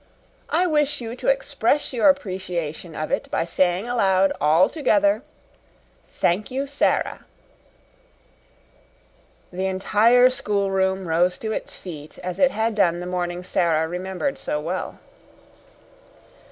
I wish you to express your appreciation of it by saying aloud all together, 'Thank you, Sara!'" The entire schoolroom rose to its feet as it had done the morning Sara remembered so well.